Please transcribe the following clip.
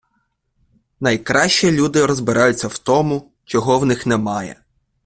Найкраще люди розбираються в тому, чого в них немає.